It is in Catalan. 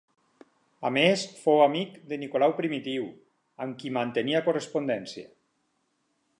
A més fou amic de Nicolau Primitiu, amb qui mantenia correspondència.